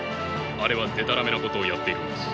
あれはでたらめなことをやっているのです。